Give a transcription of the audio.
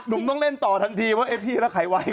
หนูต้องเล่นต่อทันทีพี่แล้ว